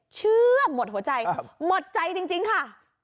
เชื่อหมดหัวใจหมดใจจริงค่ะ